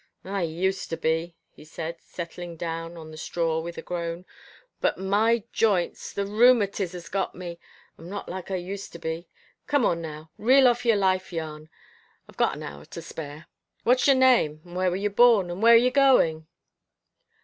"I used to be," he said, settling down on the straw with a groan, "but my joints the rheumatiz has got me. I'm not like I used to be Come on now, reel off your life yarn. I've got an hour to spare. What's your name, and where were you born, and where are you going?"